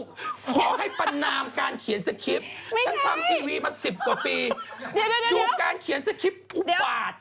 ขอให้ปันนามการเขียนสกิ๊ปฉันทำทีวีมา๑๐กว่าปีดูการเขียนสกิ๊ปปุ๊บปาด